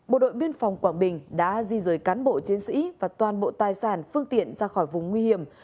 bộ đội biên phòng quảng bình đã di rời cán bộ chiến sĩ và toàn bộ tài sản phương tiện ra khỏi vùng nguy hiểm